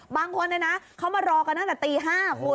บางคนนะนะเขามารอกันน่ะแต่ตี๕คุณ